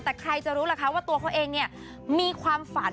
แต่ใครจะรู้ล่ะคะว่าตัวเขาเองเนี่ยมีความฝัน